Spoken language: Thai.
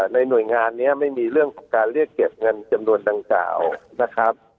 หน่วยงานนี้ไม่มีเรื่องของการเรียกเก็บเงินจำนวนดังกล่าวนะครับ